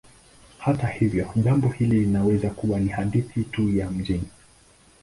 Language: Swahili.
Hata hivyo, jambo hili linaweza kuwa ni hadithi tu ya mijini.